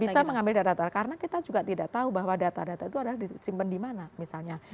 bisa mengambil data data karena kita juga tidak tahu bahwa data data itu adalah disimpan di mana misalnya